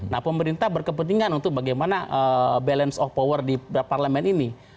nah pemerintah berkepentingan untuk bagaimana balance of power di parlemen ini